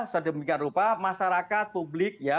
sedemikian rupa masyarakat publik ya